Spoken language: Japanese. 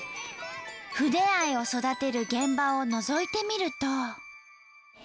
筆愛を育てる現場をのぞいてみると。